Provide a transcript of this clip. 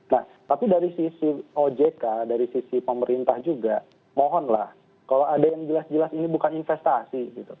nah tapi dari sisi ojk dari sisi pemerintah juga mohonlah kalau ada yang jelas jelas ini bukan investasi